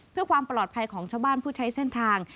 เพื่อความปลอดภัยของชาวบ้านผู้ใช้เส้นทาง